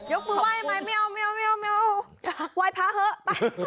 ยกมือไหว้ไหมไม่เอาไหว้พาเถอะไป